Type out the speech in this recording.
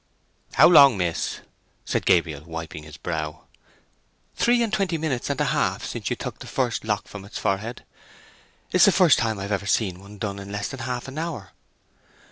"How long, miss?" said Gabriel, wiping his brow. "Three and twenty minutes and a half since you took the first lock from its forehead. It is the first time that I have ever seen one done in less than half an hour."